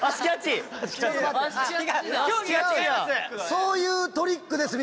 そういうトリックです！